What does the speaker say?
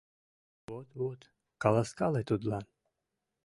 — Вот, вот, каласкале тудлан.